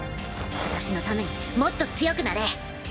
私のためにもっと強くなれ。